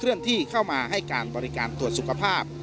เลื่อนที่เข้ามาให้การบริการตรวจสุขภาพ